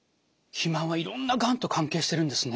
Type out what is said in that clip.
肥満はいろんながんと関係しているんですね。